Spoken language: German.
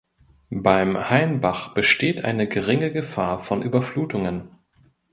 Beim Hainbach besteht eine geringe Gefahr von Überflutungen.